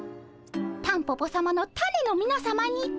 タンポポさまのタネのみなさまにて。